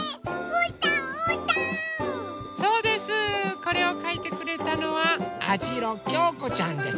これをかいてくれたのはあじろきょうこちゃんです。